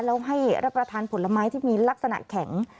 แล้วให้รับประทานผลไม้ที่มีลักษณะแข็ง